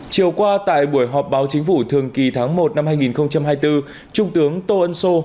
chiều qua tại buổi họp báo chính phủ thường kỳ tháng một năm hai nghìn hai mươi bốn trung tướng tô ân sô